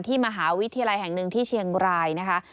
มหาวิทยาลัยแห่งหนึ่งที่เชียงรายนะคะ